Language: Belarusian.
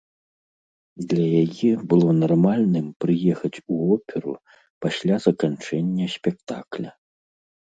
Для яе было нармальным прыехаць у оперу пасля заканчэння спектакля.